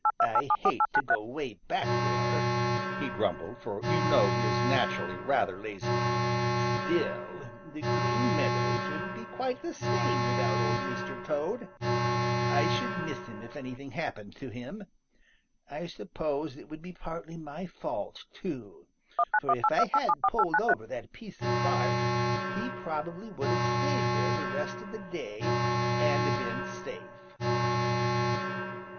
"I hate to go way back there," he grumbled, for you know he is naturally rather lazy. "Still, the Green Meadows wouldn't be quite the same without Old Mr. Toad. I should miss him if anything happened to him. I suppose it would be partly my fault, too, for if I hadn't pulled over that piece of bark, he probably would have stayed there the rest of the day and been safe."